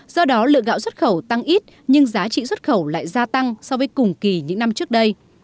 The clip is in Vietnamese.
do đó lượng gạo xuất khẩu tăng ít nhưng giá trị xuất khẩu lại gia tăng so với cùng kỳ những năm trước đây